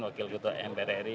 wakil ketua mprri